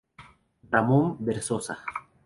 Ramón Berzosa.